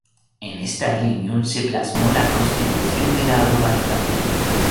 En esta reunión se plasmó la constitución de la organización.